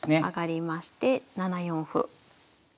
上がりまして７四歩。